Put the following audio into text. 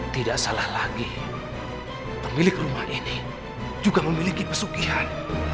tidak salah lagi pemilik rumah ini juga memiliki pesugihan